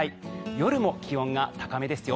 夜も気温が高めですよ。